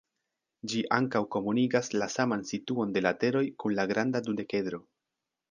Ĝi ankaŭ komunigas la saman situon de lateroj kun la granda dudekedro.